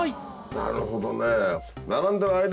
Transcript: なるほどね。